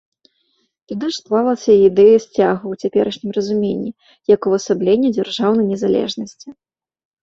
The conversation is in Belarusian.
Тады ж склалася і ідэя сцяга ў цяперашнім разуменні, як увасаблення дзяржаўнай незалежнасці.